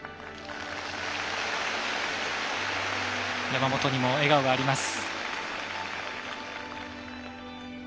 山本にも笑顔があります。